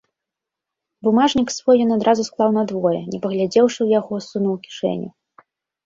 Бумажнік свой ён адразу склаў надвое, не паглядзеўшы ў яго, сунуў у кішэню.